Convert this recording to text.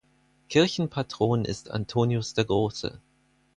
Kirchenpatron ist Antonius der Große.